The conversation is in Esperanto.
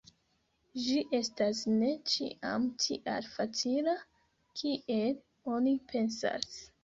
Ĝi estas ne ĉiam tial facila, kiel oni pensas.